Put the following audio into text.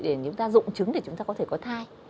để chúng ta dụng chứng để chúng ta có thể có thai